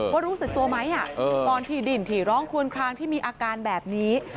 ว่ารู้สึกตัวไหมตอนที่ดินที่ร้องควนคลางที่มีอาการแบบนี้